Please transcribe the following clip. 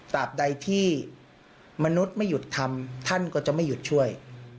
ตามใดที่มนุษย์ไม่หยุดทำท่านก็จะไม่หยุดช่วย